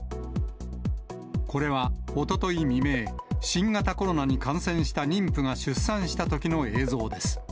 これはおととい未明、新型コロナに感染した妊婦が出産したときの映像です。